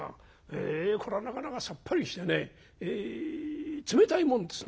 へえこれはなかなかさっぱりしてね冷たいもんですね」。